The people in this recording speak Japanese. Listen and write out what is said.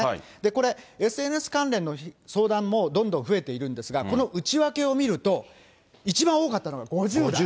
これ、ＳＮＳ関連の相談もどんどん増えているんですが、この内訳を見ると、一番多かったのが５０代。